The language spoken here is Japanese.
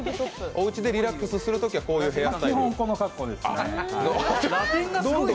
おうちでリラックスするときはこういう感じ？